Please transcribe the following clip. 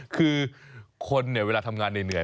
คือคนเวลาทำงานเหนื่อย